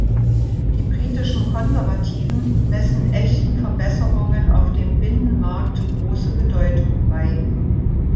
Die britischen Konservativen messen echten Verbesserungen auf dem Binnenmarkt große Bedeutung bei.